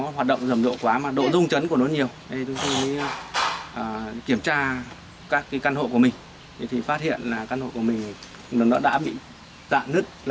khi kiểm tra các căn hộ của mình thì phát hiện căn hộ của mình đã bị giãn nứt